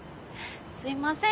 すいません